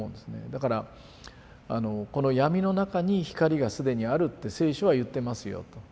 だからこの闇の中に光が既にあるって聖書は言ってますよと。